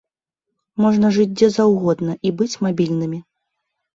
Можна жыць дзе заўгодна і быць мабільнымі.